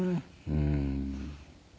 うん。